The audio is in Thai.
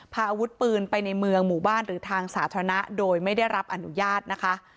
พาอาวุธปืนไปในเมืองหมู่บ้านหรือทางสาธารณะโดยไม่ได้รับอนุญาตนะคะ